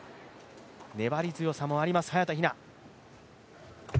粘り強さもあります、早田ひな。